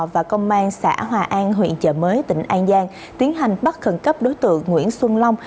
và công an xã hòa an huyện chợ mới tỉnh an giang tiến hành bắt khẩn cấp đối tượng nguyễn xuân long